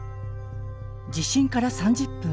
地震から３０分。